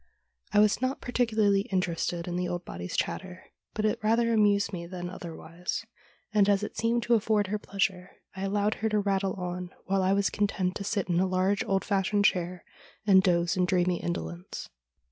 I was not particu larly interested in the old body's chatter, but it rather amused me than otherwise, and, as it seemed to afford her pleasure, I allowed her to rattle on, while I was content to sit in a large old fashioned chair and dose in dreamy indolence.